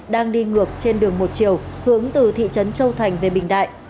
đang đi ngược trên đường một chiều hướng từ thị trấn châu thành về bình đại